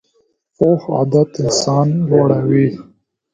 پوخ عادت انسان لوړوي